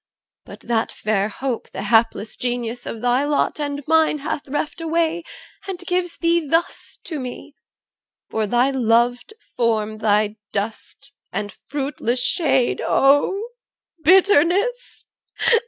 But that fair hope The hapless Genius of thy lot and mine Hath reft away, and gives thee thus to me, For thy loved form thy dust and fruitless shade O bitterness!